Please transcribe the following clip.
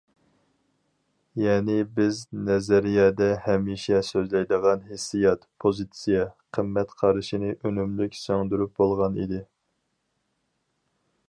يەنى بىز نەزەرىيەدە ھەمىشە سۆزلەيدىغان ھېسسىيات، پوزىتسىيە، قىممەت قارىشىنى ئۈنۈملۈك سىڭدۈرۈپ بولغان ئىدى.